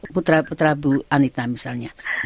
putra putra bu anita misalnya